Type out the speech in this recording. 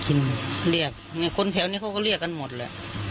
เรียกเนี่ยคนแถวนี้เขาก็เรียกกันหมดแหละ